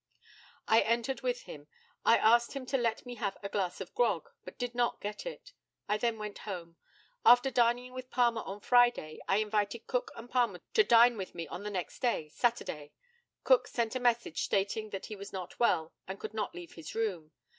I entered with him. I asked him to let me have a glass of grog, but did not get it. I then went home. After dining with Palmer on Friday, I invited Cook and Palmer to dine with me on the next day, Saturday. Cook sent me a message, stating that he was not well and could not leave his room.